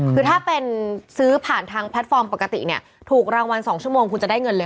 คือถ้าเป็นซื้อผ่านทางแพลตฟอร์มปกติเนี่ยถูกรางวัล๒ชั่วโมงคุณจะได้เงินเลย